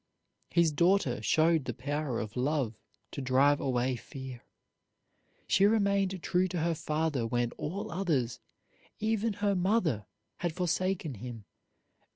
His daughter showed the power of love to drive away fear. She remained true to her father when all others, even her mother, had forsaken him.